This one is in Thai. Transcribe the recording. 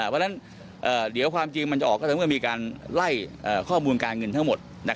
เพราะฉะนั้นเดี๋ยวความจริงมันจะออกก็เมื่อมีการไล่ข้อมูลการเงินทั้งหมด